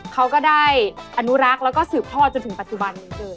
เขาก็ได้อนุรักษ์แล้วก็สืบทอดจนถึงปัจจุบันนี้เลย